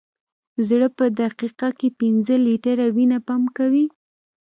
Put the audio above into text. زړه په دقیقه کې پنځه لیټره وینه پمپ کوي.